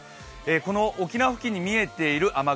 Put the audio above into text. この沖縄付近に見えている雨雲